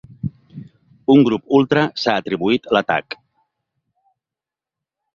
Un grup ultra s’ha atribuït l’atac.